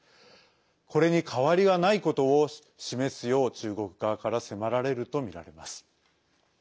これに変わりはないことを示すよう中国側から迫られるとみられます。